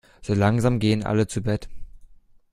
So langsam gehen alle zu Bett.